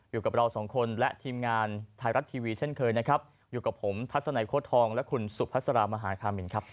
อยู่กับเราสองคนและทีมงานไทยรัฐทีวีเช่นเคยนะครับอยู่กับผมทัศนัยโค้ดทองและคุณสุภาษารามหาคามินครับ